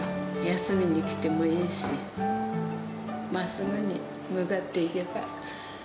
休みに来てもいいし、まっすぐに向かっていけば。